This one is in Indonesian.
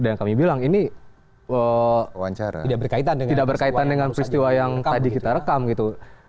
dan kami bilang ini tidak berkaitan dengan peristiwa yang tadi kita rekam gitu